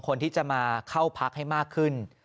คนที่จะมาเข้าพักให้มากขึ้น